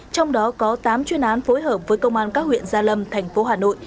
trong đó có tám chuyên án phối hợp với công an các huyện gia lâm thành phố hà nội